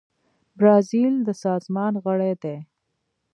برازیل د سازمان غړی دی.